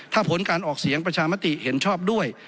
ถ้าผลการออกเสียงประชามติเห็นชอบด้วย